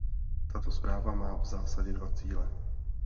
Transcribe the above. Tato zpráva má v zásadě dva cíle.